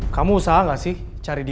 kamu usaha gak sih cari dia